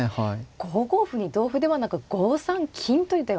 ５五歩に同歩ではなく５三金という手があるんですね。